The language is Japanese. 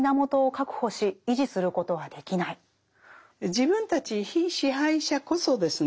自分たち被支配者こそですね